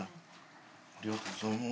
ありがとうございます。